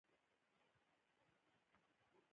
نن ډېر بیروبار نشته